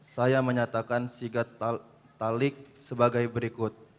saya menyatakan sigat talik sebagai berikut